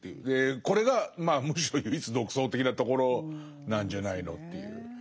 これがまあむしろ唯一独創的なところなんじゃないのという。